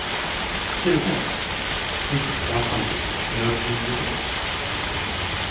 C’est le compte ! et tous trois, sans doute, nobles, jeunes et beaux ?